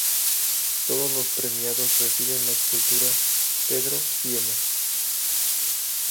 Todos los premiados reciben la escultura "Pedro Sienna".